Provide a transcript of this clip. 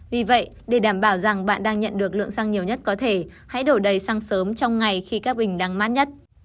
vì vậy để đảm bảo rằng bạn đang nhận được lượng xăng nhiều nhất có thể hãy đổ đầy xăng sớm trong ngày khi các bình đang mát nhất